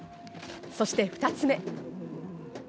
そして二つ目。